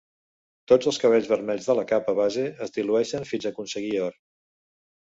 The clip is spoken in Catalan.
Tots els cabells vermells de la capa base es dilueixen fins aconseguir or.